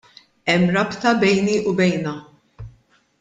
Hemm rabta bejni u bejnha.